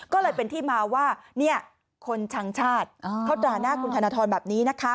ก็เลยเป็นที่มาว่าคนช่างชาติเขาด่าหน้าคุณธนทรแบบนี้นะคะ